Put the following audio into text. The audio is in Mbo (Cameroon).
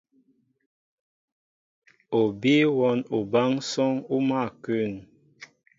O bíy wɔ́n obánsɔ́ŋ ó mál a kún.